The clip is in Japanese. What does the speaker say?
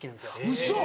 ウソ！